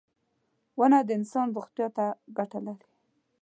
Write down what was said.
• ونه د انسان روغتیا ته ګټه لري.